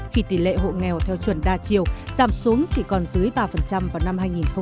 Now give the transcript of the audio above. khi tỷ lệ hộ nghèo theo chuẩn đa chiều giảm xuống chỉ còn dưới ba vào năm hai nghìn một mươi